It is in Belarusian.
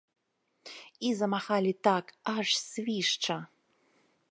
І замахалі так, аж свішча!